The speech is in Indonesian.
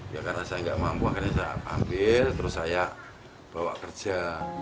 ya karena saya nggak mampu akhirnya saya ambil terus saya bawa kerja